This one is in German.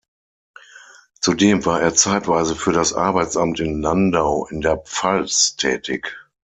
Zudem war er zeitweise für das Arbeitsamt in Landau in der Pfalz tätig.